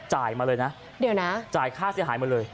มาเลยนะเดี๋ยวนะจ่ายค่าเสียหายมาเลย